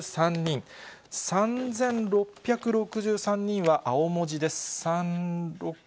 ３６６３人、３６６３人は青文字です。